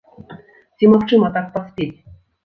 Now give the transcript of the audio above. Ці магчыма так паспець?